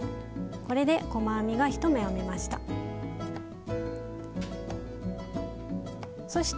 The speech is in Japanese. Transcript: これで細編みが１目編めました。